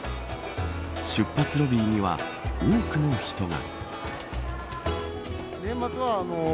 出発ロビーには多くの人が。